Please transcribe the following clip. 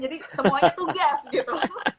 jadi semuanya tugas gitu